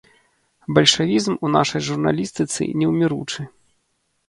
Бальшавізм у нашай журналістыцы неўміручы.